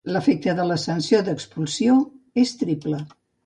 L'efecte de la sanció d'expulsió és triple.